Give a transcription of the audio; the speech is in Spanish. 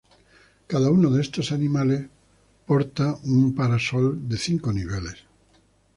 Cada uno de estos animales porta un parasol de cinco niveles.